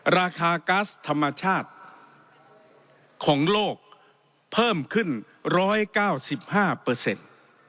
ราคาก๊าซธรรมชาติของโลกเพิ่มขึ้นร้อยเก้าสิบห้าเปอร์เซ็นต์